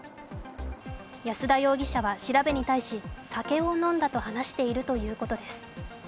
安田容疑者は調べに対し酒を飲んだと話しているということです。